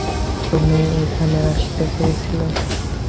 তুই এখানে আসতে চেয়েছিলি?